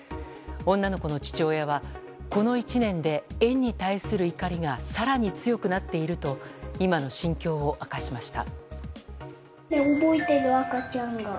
女の子の父親は、この１年で園に対する怒りが更に強くなっていると今の心境を明かしました。